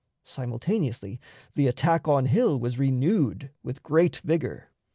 Simultaneously the attack on Hill was renewed with great vigor.